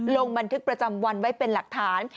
ลงบันทึกประจำวันไว้เป็นหลักฐาน